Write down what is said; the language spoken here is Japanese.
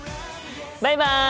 バイバイ！